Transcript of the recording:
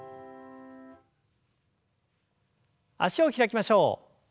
脚を開きましょう。